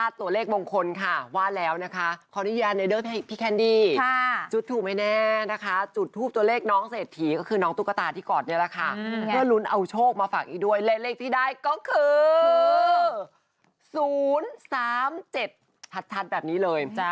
สถิติที่ได้ก็คือ๐๓๗ทัดแบบนี้เลย